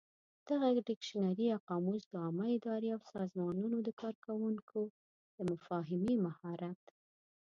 دغه ډکشنري یا قاموس د عامه ادارې او سازمانونو د کارکوونکو د مفاهمې مهارت